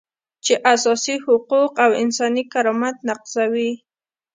چې اساسي حقوق او انساني کرامت نقضوي.